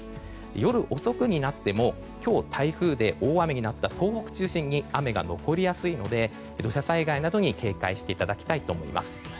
夜遅くになっても今日台風で大雨になった東北中心に雨が残りやすいので土砂災害などに警戒していただきたいと思います。